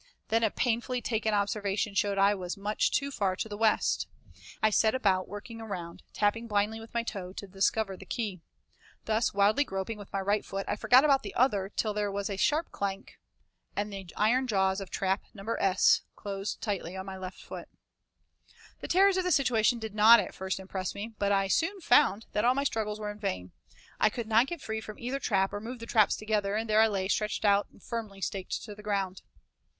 Then a painfully taken observation showed I was much too far to the west. I set about working around, tapping blindly with my toe to discover the key. Thus wildly groping with my right foot I forgot about the other till there was a sharp 'clank' and the iron jaws of trap No. 5 closed tight on my left foot. The terrors of the situation did not, at first, impress me, but I soon found that all my struggles were in vain. I could not get free from either trap or move the traps together, and there I lay stretched out and firmly staked to the ground.